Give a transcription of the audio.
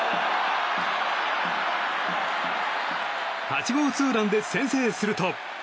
８号ツーランで先制すると。